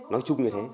nói chung như thế